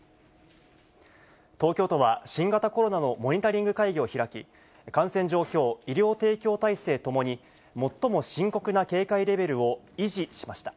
東京都は新型コロナのモニタリング会議を開き、感染状況、医療提供体制ともに最も深刻な警戒レベルを維持しました。